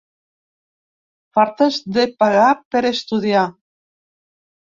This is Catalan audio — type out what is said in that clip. Fartes de pagar per estudiar.